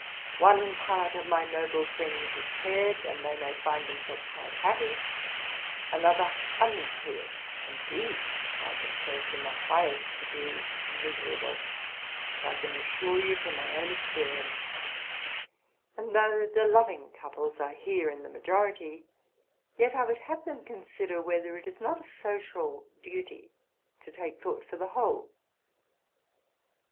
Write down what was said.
'' One part of my noble friends is paired, and they may find themselves quite happy; another unpaired, and these find themselves in the highest degree miserable, as I can assure you from my own experience: and although the loving couples are here in the majority, yet I would have them consider whether it is not a social duty to take thought for the whole.